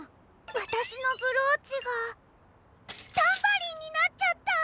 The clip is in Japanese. わたしのブローチがタンバリンになっちゃった！